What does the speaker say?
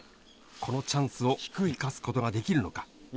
このチャンスを生かすことができるのか。